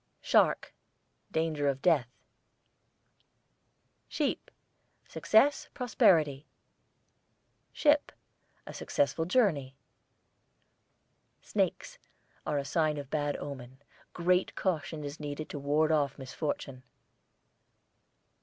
SHARK, danger of death. SHEEP, success, prosperity. SHIP, a successful journey. SNAKES are a sign of bad omen. Great caution is needed to ward off misfortune.